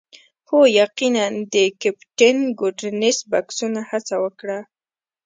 هو یقیناً د کیپټن ګوډنس بکسونه هڅه وکړه